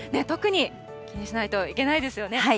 特に気にしないといけないですよね。